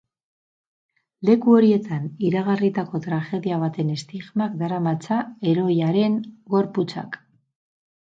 Leku horietan iragarritako tragedia baten estigmak daramatza heroiaren gorputzak.